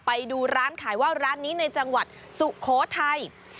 ไปดูร้านขายว่าวร้านนี้ในจังหวัดสุโขทัย